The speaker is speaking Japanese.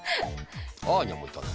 アーニャもいたな。